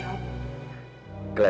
terima kasih rom